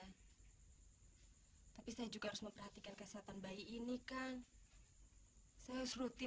hai tapi saya juga harus memperhatikan kesehatan bayi ini kan saya harus rutin